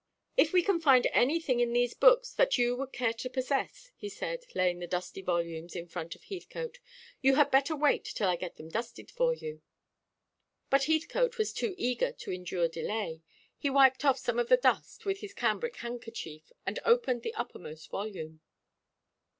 "If we can find anything in these books that you would care to possess," he said, laying the dusty volumes in front of Heathcote. "You had better wait till I get them dusted for you." But Heathcote was too eager to endure delay. He wiped off some of the dust with his cambric handkerchief, and opened the uppermost volume.